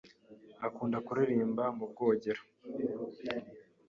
Akunda kuririmba mu bwogero.